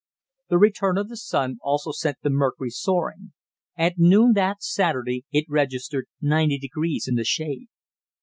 The return of the sun also sent the mercury soaring. At noon that Saturday it registered 90 degrees in the shade.